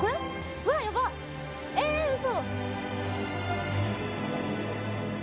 うわヤバっえウソ？